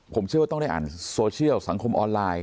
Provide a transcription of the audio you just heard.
ผมเชื่อว่าต้องได้อ่านโซเชียลสังคมออนไลน์